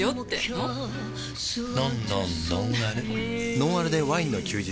「ノンアルでワインの休日」